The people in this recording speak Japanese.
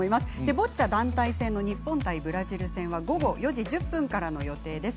ボッチャ団体戦の日本対ブラジル戦は午後２時１０分からの予定です。